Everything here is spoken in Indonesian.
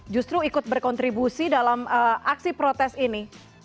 justru ikut berkontribusi dalam aksi protes ini